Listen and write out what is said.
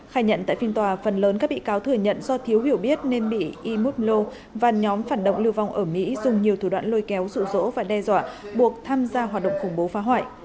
khai nhận tại phiên tòa phần lớn các bị cáo thừa nhận do thiếu hiểu biết nên bị imutlo và nhóm phản động lưu vong ở mỹ dùng nhiều thủ đoạn lôi kéo rụ rỗ và đe dọa buộc tham gia hoạt động khủng bố phá hoại